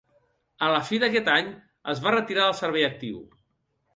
A la fi d'aquest any es va retirar del servei actiu.